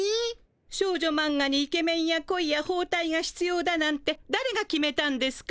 少女マンガにイケメンや恋やほうたいがひつようだなんてだれが決めたんですか？